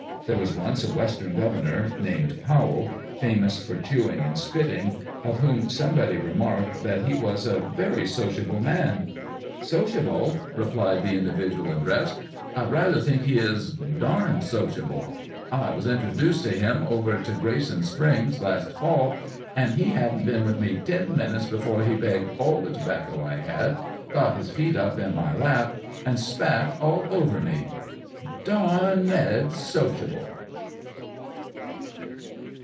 There was once a Western governor named Powell, famous for chewing and spitting, of whom somebody remarked that he was a very sociable man. " Sociable !" replied the Charles Dickens.] ALL THE YEAR ROUND. [October 31, 1808.] 493 individual addressed, " I rather think he is— darned sociable ! 1 was introdooced to him over to Grayson Springs last fall, and he hadn't been with me ten minutes before he begged all the tobacco I had, got his feet up in my lap, and spat all over me ! Darn ec? sociable